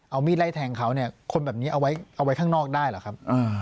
เอามีดไล่แทงเขาเนี่ยคนแบบนี้เอาไว้ข้างนอกได้หรือครับ